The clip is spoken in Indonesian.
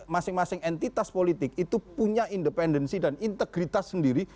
masing masing entitas politik itu punya independensi dan integritas sendiri